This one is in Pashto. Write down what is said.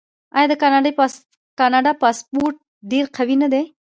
آیا د کاناډا پاسپورت ډیر قوي نه دی؟